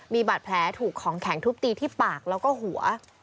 มีบาดแผลถูกของแข็งทุบตีที่ปากแล้วก็หัว